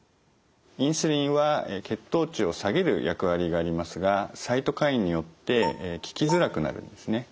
インスリンは血糖値を下げる役割がありますがサイトカインによって効きづらくなるんですね。